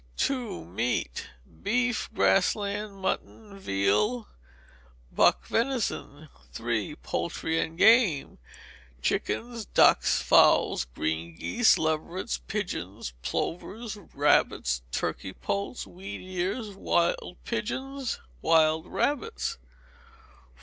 ii. Meat. Beef, grass lamb, mutton, veal, buck venison. iii. Poultry and Game. Chickens, ducks, fowls, green geese, leverets, pigeons, plovers, rabbits, turkey poults, wheat ears, wild pigeons, wild rabbits.